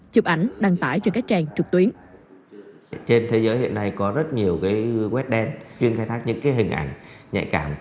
chụp ảnh đăng tải trên các trang trực tuyến